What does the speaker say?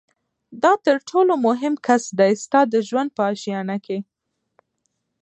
دا تر ټولو مهم کس دی ستا د ژوند په آشیانه کي